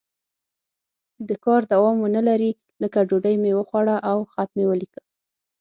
د کار دوام ونه لري لکه ډوډۍ مې وخوړه او خط مې ولیکه.